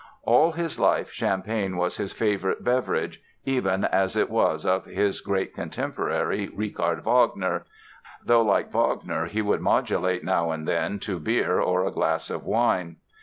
All his life champagne was his favorite beverage, even as it was of his great contemporary, Richard Wagner, though like Wagner he would modulate now and then to beer or a glass of wine.